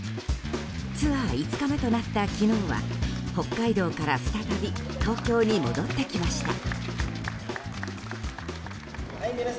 ツアー５日目となった昨日は北海道から再び東京に戻ってきました。